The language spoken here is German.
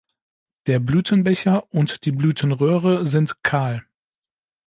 Der Blütenbecher und die Blütenröhre sind kahl.